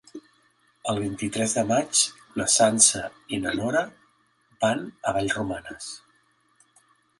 El vint-i-tres de maig na Sança i na Nora van a Vallromanes.